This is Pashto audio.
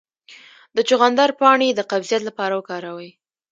د چغندر پاڼې د قبضیت لپاره وکاروئ